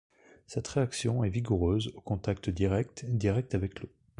Cette réaction est vigoureuse au contact direct direct avec l'eau.